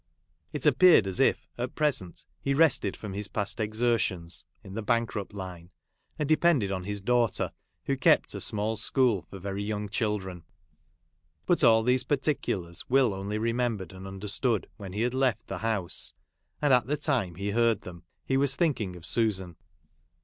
It appeared as if at present ne rested from his past exertions (in the bankrupt line), and depended on his daughter, who kept a small school for very young children. But all these particulars Will only remembered and xmderstood, when he had left the house ; at the time he heard them, he was thinking of Susan.